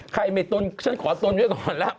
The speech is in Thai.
ใครไม่ตนฉันขอตนไว้ก่อนแล้ว